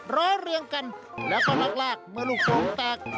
ร้อเลี่ยงกันแล้วก็ลาดมีลูกโปรงตาก